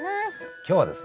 今日はですね